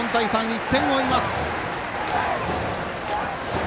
１点を追います。